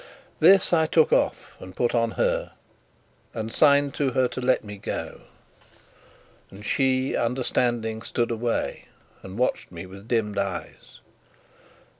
This I took off and put on her, and signed to her to let me go. And she, understanding, stood away and watched me with dimmed eyes.